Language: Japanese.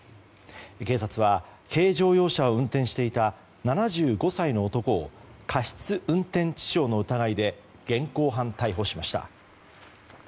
警察は軽乗用車を運転していた７５歳の男を過失運転致傷の疑いで現行犯逮捕しました。